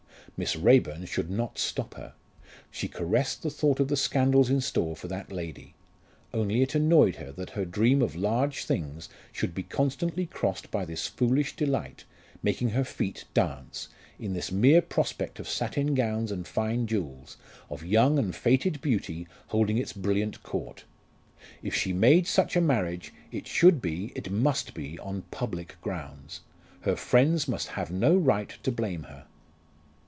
Miss Raeburn should not stop her. She caressed the thought of the scandals in store for that lady. Only it annoyed her that her dream of large things should be constantly crossed by this foolish delight, making her feet dance in this mere prospect of satin gowns and fine jewels of young and fêted beauty holding its brilliant court. If she made such a marriage, it should be, it must be, on public grounds. Her friends must have no right to blame her.